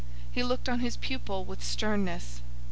He looked on his pupil with sternness.